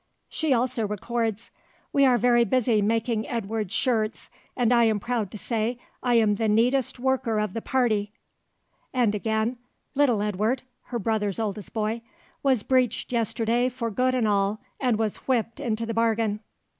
She also records: "We are very busy making Edward's shirts and I am proud to say I am the neatest worker of the party"; and again, "Little Edward [her brother's eldest boy] was breeched yesterday for good and all, and was whipped into the bargain."